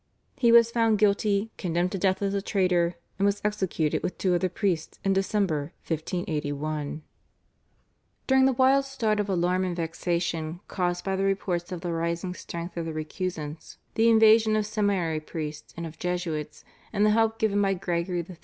He was found guilty, condemned to death as a traitor, and was executed with two other priests in December 1581. During the wild start of alarm and vexation caused by the reports of the rising strength of the recusants, the invasion of seminary priests and of Jesuits, and the help given by Gregory XIII.